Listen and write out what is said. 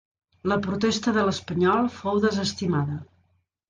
La protesta de l'Espanyol fou desestimada.